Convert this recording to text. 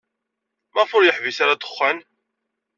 Maɣef ur yeḥbis ara ddexxan?